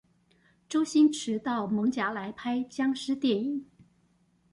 周星馳到艋舺來拍殭屍電影